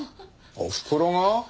おふくろが？